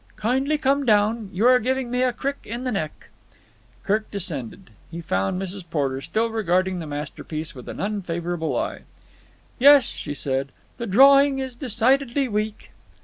"Kindly come down. You are giving me a crick in the neck." Kirk descended. He found Mrs. Porter still regarding the masterpiece with an unfavourable eye. "Yes," she said, "the drawing is decidedly weak."